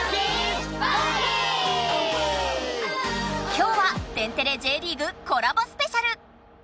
きょうは「天てれ」・Ｊリーグコラボスペシャル！